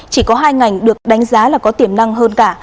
chỉ có hai ngành được đánh giá là có tiềm năng hơn cả